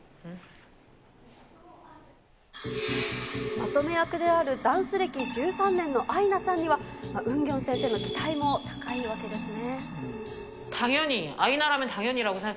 まとめ役であるダンス歴１３年のアイナさんには、ウンギョン先生の期待も高いわけですね。